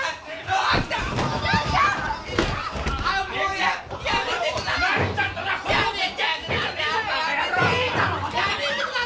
やめてください！